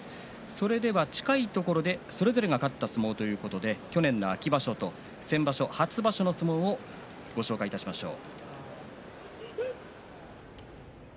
それでは近いところでそれぞれが勝った相撲去年の秋場所と先場所、初場所の相撲をご紹介いたしましょう。